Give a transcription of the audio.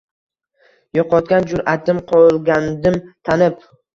Yo‘qotgan jur’atim qolgandim tanib.